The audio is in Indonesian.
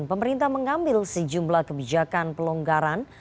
pemerintah mengambil sejumlah kebijakan pelonggaran